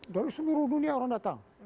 dari seluruh dunia orang datang